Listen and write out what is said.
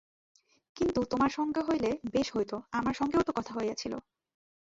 কিন্তু তোমার সঙ্গে হইলে বেশ হইত, তোমার সঙ্গেও তো কথা হইয়াছিল।